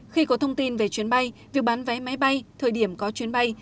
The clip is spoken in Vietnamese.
khi có thông tin về chuyến bay việc bán vé máy bay thời điểm có chuyến bay